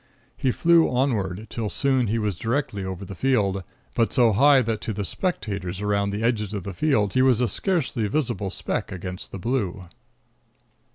He flew onward, till soon he was directly over the field, but so high that to the spectators around the edges of the field he was a scarcely visible speck against the blue.